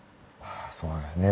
そうですね。